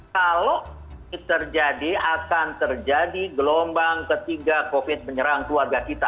kalau ini terjadi akan terjadi gelombang ketiga covid menyerang keluarga kita